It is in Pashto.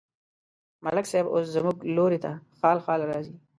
ملک صاحب اوس زموږ لوري ته خال خال راځي.